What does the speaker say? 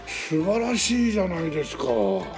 素晴らしいじゃないですか！